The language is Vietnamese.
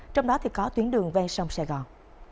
trong đó có tuyến đường ven sông sài gòn